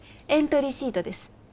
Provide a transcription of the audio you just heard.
エントリーシートです。